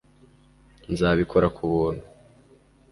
nzabikora kubuntu